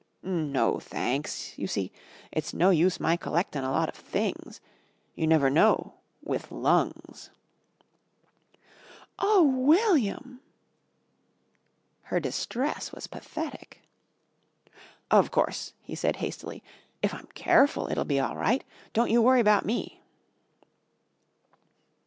"No thanks. You see, it's no use my collectin' a lot of things. You never know with lungs." "Oh, William!" Her distress was pathetic. "Of course," he said hastily, "if I'm careful it'll be all right. Don't you worry about me."